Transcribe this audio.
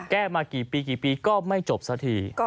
มากี่ปีกี่ปีก็ไม่จบสักที